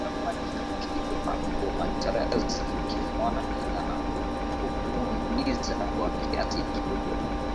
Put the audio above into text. Kichwa Marco Materazzi kifuani na kumuumiza kwa kiasi kikubwa